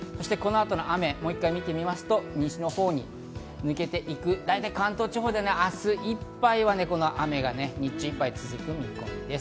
そしてこの後の雨をもう１回見てみますと、西の方に抜けていく大体、関東地方で明日いっぱいはこの雨が日中いっぱい続く見込みです。